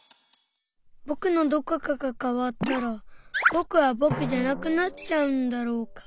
ぼくのどこかが変わったらぼくはぼくじゃなくなっちゃうんだろうか？